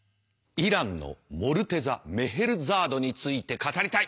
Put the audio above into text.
イランのモルテザ・メヘルザードについて語りたい！